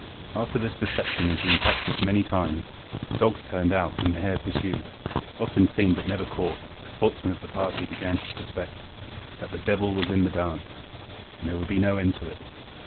After this deception had been practised many times, the dogs turned out the hare pursued, often seen but never caught, a sportsman of the party began to suspect "that the devil was in the dance," and there would be no end to it.